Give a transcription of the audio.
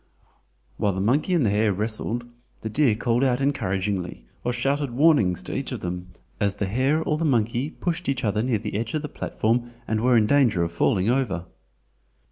While the monkey and the hare wrestled, the deer called out encouragingly or shouted warnings to each of them as the hare or the monkey pushed each other near the edge of the platform and were in danger of falling over.